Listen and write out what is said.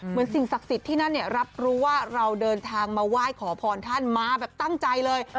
สิ่งศักดิ์สิทธิ์ที่นั่นรับรู้ว่าเราเดินทางมาไหว้ขอพรท่านมาแบบตั้งใจเลย